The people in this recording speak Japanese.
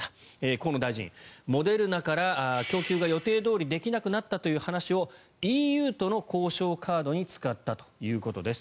河野大臣はモデルナから供給が予定どおりできなくなったという話をＥＵとの交渉カードに使ったということです。